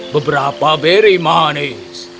beberapa beri manis